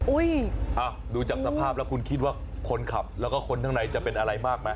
ดูจากสภาพแล้วคุณคิดว่าคนขับแล้วก็คนข้างในจะเป็นอะไรมากไหม